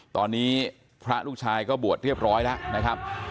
ตอนนี้พระลูกชายก็บวชเรียบร้อยแล้วนะครับ